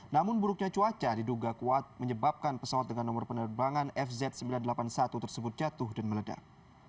namun buruknya cuaca diduga kuat menyebabkan pesawat dengan nomor penerbangan fz sembilan ratus delapan puluh satu tersebut jatuh dan meledak